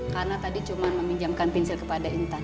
karena tadi cuma meminjamkan pinsil kepada intan